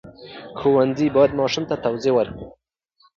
ښوونکی باید ماشوم ته توضیح ورکړي.